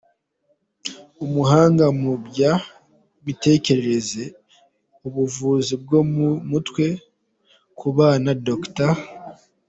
Umuhanga mu by’imitekerereze n’ubuvuzi bwo mu mutwe ku bana, Dr.